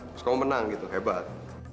terus kamu menang gitu hebat